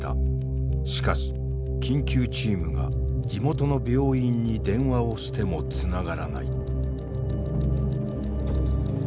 しかし緊急チームが地元の病院に電話をしてもつながらない。